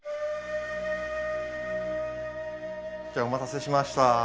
お待たせしました。